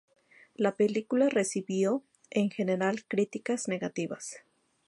La película recibió, en general, críticas negativas.